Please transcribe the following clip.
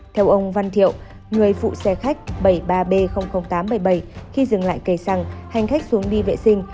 theo ông văn thiệu người phụ xe khách bảy mươi ba b tám trăm bảy mươi bảy khi dừng lại cây xăng hành khách xuống đi vệ sinh